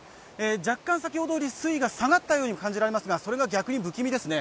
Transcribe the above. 若干、先ほどより水位が下がったように感じられますがそれが逆に不気味ですね。